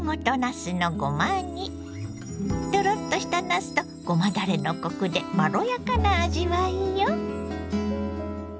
トロッとしたなすとごまだれのコクでまろやかな味わいよ。